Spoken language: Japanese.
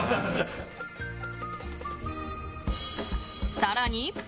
更に。